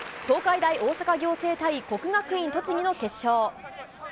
東海大大阪仰星対国学院栃木の決勝。